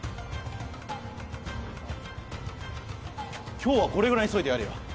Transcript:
今日はこれくらいにしといてやるよ。